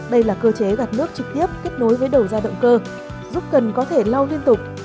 đây là cơ chế gạt nước trực tiếp kết nối với đầu ra động cơ giúp cần có thể lau liên tục